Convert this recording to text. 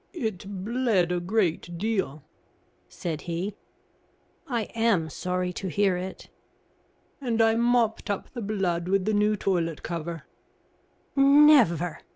"It bled a great deal," said he. "I am sorry to hear it." "And I mopped up the blood with the new toilet cover." "Never!"